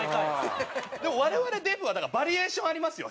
でも我々デブはだからバリエーションありますよ屁に。